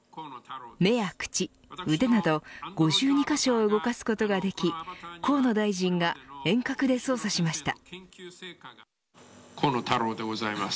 目や口、腕など５２カ所を動かすことができ河野大臣が遠隔で操作しました。